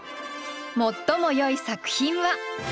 最もよい作品は。